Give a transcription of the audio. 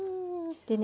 でね